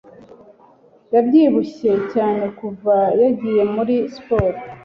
yabyibushye cyane kuva yagiye muri siporo